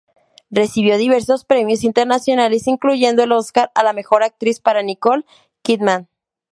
Recibió diversos premios internacionales, incluyendo el Oscar a la mejor actriz para Nicole Kidman.